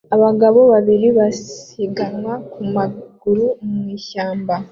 Abagabo babiri basiganwa ku maguru mu ishyamba